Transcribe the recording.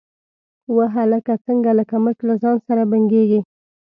_وه هلکه، څنګه لکه مچ له ځان سره بنګېږې؟